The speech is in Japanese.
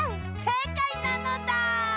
せいかいなのだ！